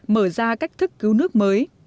mở ra cách thức cứu nước mới